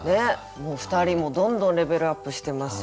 もう２人もどんどんレベルアップしてますし。